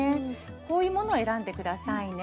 こういうものを選んで下さいね。